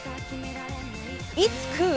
いつ食う？